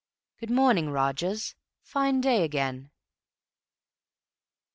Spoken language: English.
Good morning, Rogers. Fine day again."